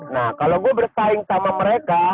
nah kalau gue bersaing sama mereka